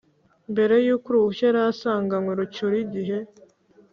mbere y’uko uruhushya yarasanganywe rucyura igihe.